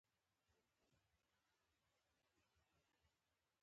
د دولت دنده د خلکو ژوند، مال او ازادي ساتل دي.